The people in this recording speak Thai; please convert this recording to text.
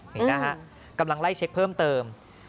เห็นไหมครับกำลังไล่เช็กเพิ่มเติม